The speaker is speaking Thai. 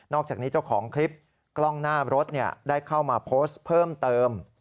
อกจากนี้เจ้าของคลิปกล้องหน้ารถได้เข้ามาโพสต์เพิ่มเติม